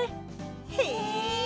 へえ！